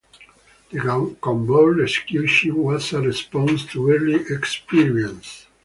The convoy rescue ship was a response to early experience.